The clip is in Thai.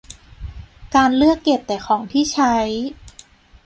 การเลือกเก็บแต่ของที่ใช้